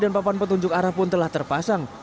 dan papan papan petunjuk arah pun telah terpasang